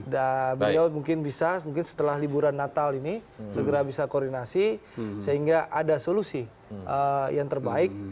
dan beliau mungkin bisa setelah liburan natal ini segera bisa koordinasi sehingga ada solusi yang terbaik